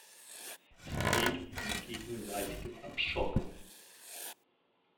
Es geht um gegenseitige Abschottung.